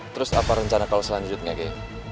terus apa rencana kalau selanjutnya kayak